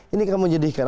ini kamu jadikan